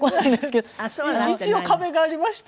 一応壁がありまして。